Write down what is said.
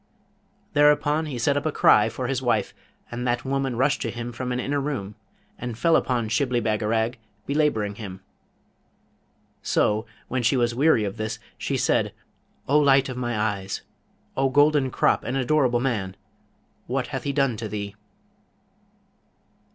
Thereupon he set up a cry for his wife, and that woman rushed to him from an inner room, and fell upon Shibli Bagarag, belabouring him. So, when she was weary of this, she said, 'O light of my eyes! O golden crop and adorable man! what hath he done to thee?'